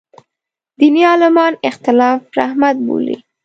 دیني عالمان اختلاف رحمت بولي.